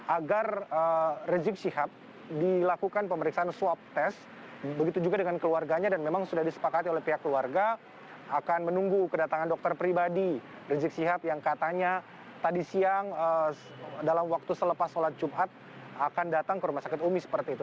agar rizik syihab dilakukan pemeriksaan swab test begitu juga dengan keluarganya dan memang sudah disepakati oleh pihak keluarga akan menunggu kedatangan dokter pribadi rizik sihab yang katanya tadi siang dalam waktu selepas sholat jumat akan datang ke rumah sakit umi seperti itu